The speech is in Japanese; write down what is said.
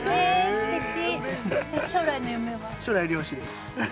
すてき。